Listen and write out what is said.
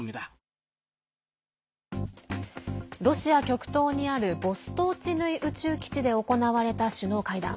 ロシア極東にあるボストーチヌイ宇宙基地で行われた首脳会談。